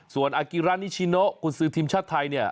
ส่วนอากิรานิชิโนกุญสือทีมชาติไทยเนี่ย